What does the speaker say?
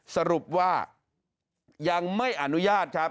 สรุปว่ายังไม่อนุญาตครับ